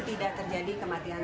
tidak terjadi kematian ibu